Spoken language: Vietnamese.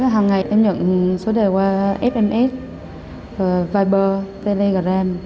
hàng ngày em nhận số đề qua fms viber telegram